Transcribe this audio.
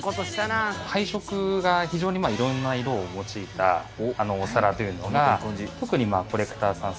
配色が非常に色んな色を用いたお皿というのが特にコレクターさん